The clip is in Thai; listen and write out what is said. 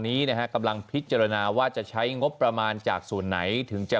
นี้นะฮะกำลังพิจารณาว่าจะใช้งบประมาณจากส่วนไหนถึงจะ